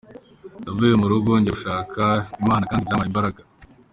Navuye mu rugo njya gushaka Imana kandi byampaye imbaraga.